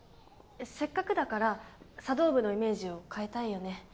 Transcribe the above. せっかくだから茶道部のイメージを変えたいよね。